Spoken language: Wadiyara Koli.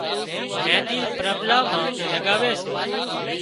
مينۮِي پرٻلا مان لڳاوي سي